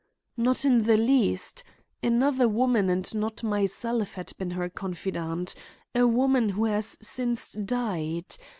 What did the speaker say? "Not in the least. Another woman, and not myself, had been her confidante; a woman who has since died.